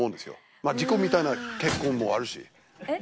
まぁ事故みたいな結婚もあるしえっ？